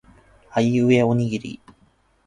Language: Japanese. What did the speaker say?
あいうえおにぎり